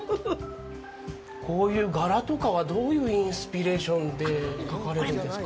こういう柄とかはどういうインスピレーションで描かれるんですか。